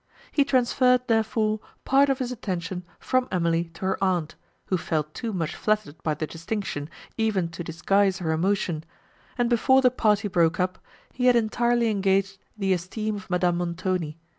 He transferred, therefore, part of his attention from Emily to her aunt, who felt too much flattered by the distinction even to disguise her emotion; and before the party broke up, he had entirely engaged the esteem of Madame Montoni.